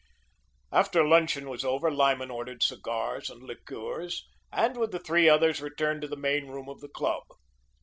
After luncheon was over, Lyman ordered cigars and liqueurs, and with the three others returned to the main room of the club.